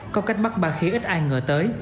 có cách bắt ba khía ít ai ngỡ tới